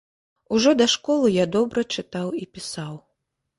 Ужо да школы я добра чытаў і пісаў.